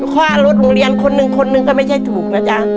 ค่ารถโรงเรียนคนหนึ่งคนหนึ่งก็ไม่ใช่ถูกนะจ๊ะ